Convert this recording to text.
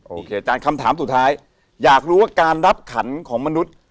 อาจารย์คำถามสุดท้ายอยากรู้ว่าการรับขันของมนุษย์